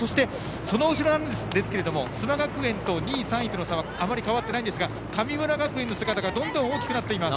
その後ろですが須磨学園と２位、３位との差は変わっていないんですが神村学園の姿がどんどん大きくなっています。